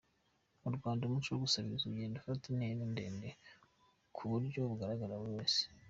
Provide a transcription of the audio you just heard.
Mu Rwanda, umuco wo gusabiriza ugenda ufata intera ndende ku buryo bugaragarira buri wese.